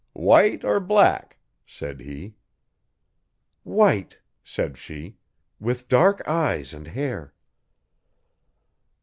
'White or black?' said he. 'White,' said she, 'with dark eyes and hair.'